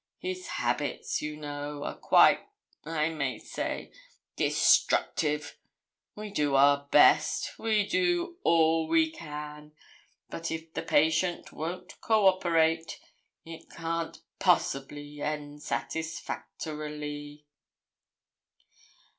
His habits, you know, are quite, I may say, destructive. We do our best we do all we can, but if the patient won't cooperate it can't possibly end satisfactorily.'